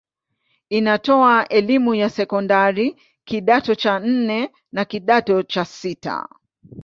Inatoa elimu ya sekondari kidato cha nne na kidato cha sita.